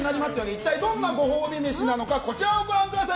一体どんなご褒美飯なのかこちらをご覧ください。